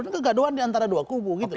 tapi kegaduhan diantara dua kubu gitu